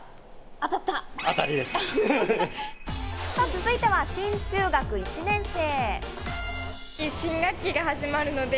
続いては新中学１年生。